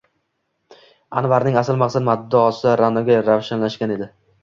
Anvarning asl maqsad-muddaosi Ra’noga ravshanlashgan edi.